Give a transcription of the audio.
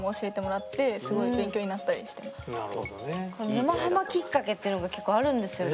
「沼ハマ」きっかけっていうのが結構あるんですよね。